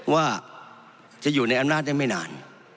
ว่าจะอยู่ในอำนาจได้ไม่นาน